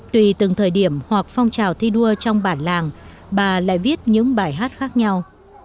tùy từng thời điểm hoặc phong trào thi đua trong bản làng bà lại viết những bài hát khác nhau